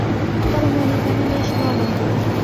তবে নদীর পানি বেশ গরম।